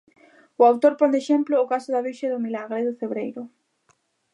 O autor pon de exemplo o caso da Virxe do Milagre do Cebreiro.